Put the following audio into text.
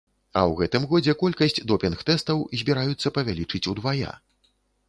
А ў гэтым годзе колькасць допінг тэстаў збіраюцца павялічыць удвая.